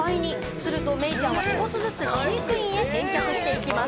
するとメイちゃんは１つずつ飼育員へ返却していきます。